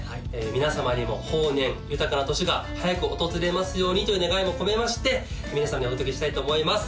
皆様にも豊年豊かな年が早く訪れますようにという願いも込めまして皆さんにお届けしたいと思います